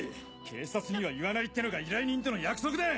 警察には言わないってのが依頼人との約束だ！